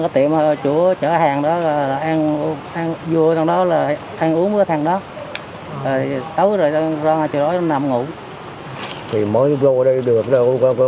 có tiệm chủ chở hàng đó vua thằng đó ăn uống với thằng đó ấu rồi ra chỗ đó nằm ngủ